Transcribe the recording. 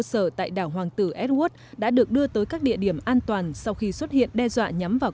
sở tại đảo hoàng tử edwood đã được đưa tới các địa điểm an toàn sau khi xuất hiện đe dọa nhắm vào